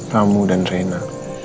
kamu dan reina